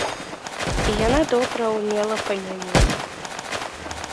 І яна добра ўмела па-нямецку.